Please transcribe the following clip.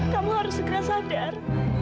kamu harus segera sadar